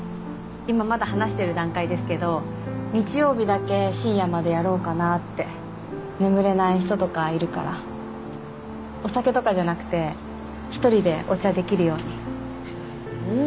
今まだ話してる段階ですけど日曜日だけ深夜までやろうかなって眠れない人とかいるからお酒とかじゃなくて１人でお茶できるようにん？